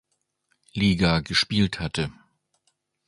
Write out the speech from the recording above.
Liga gespielt hatte.